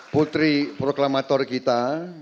putri proklamator kita